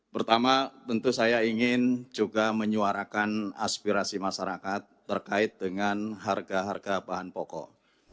pertama tentu saya ingin juga menyuarakan aspirasi masyarakat terkait dengan harga harga bahan pokok